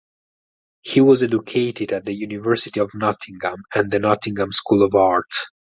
He was educated at University of Nottingham and the Nottingham School of Art.